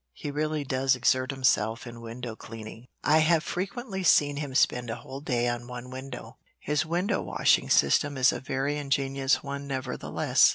"He really does exert himself in window cleaning. I have frequently seen him spend a whole day on one window. His window washing system is a very ingenious one, nevertheless."